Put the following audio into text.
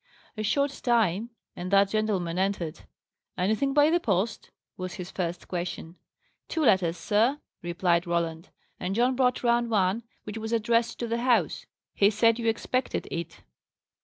A short time, and that gentleman entered. "Anything by the post?" was his first question. "Two letters, sir," replied Roland. "And John brought round one, which was addressed to the house. He said you expected it."